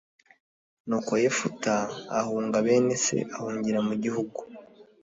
nuko yefuta ahunga bene se ahungira mu gihugu